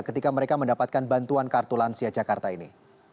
ketika mereka mendapatkan bantuan kartu lansia jakarta ini